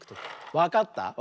わかった？